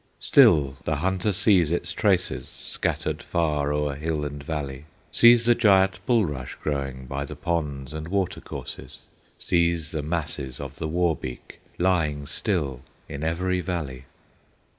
Still the hunter sees its traces Scattered far o'er hill and valley; Sees the giant bulrush growing By the ponds and water courses, Sees the masses of the Wawbeek Lying still in every valley.